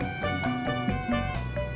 emangnya ada jok